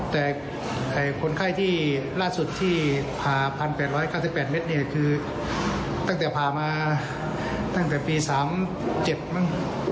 แต่คนไข้ที่ล่าสุดที่ผ่า๑๘๙๘เมตรเนี่ยคือตั้งแต่ผ่ามาตั้งแต่ปี๓๗มั้ง